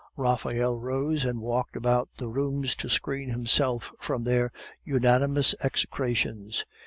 Raphael rose and walked about the rooms to screen himself from their unanimous execrations.